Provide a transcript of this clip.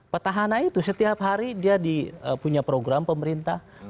petahana itu setiap hari dia punya program pemerintah